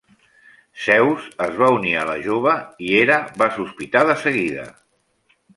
Zeus es va unir a la jove i Hera va sospitar de seguida.